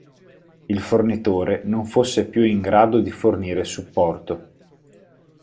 Il fornitore non fosse più in grado di fornire supporto.